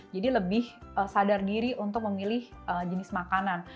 jadi lebih sadar diri untuk memilih jenis makanan